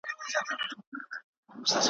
په تور خلوت کي له هانه ګوښه `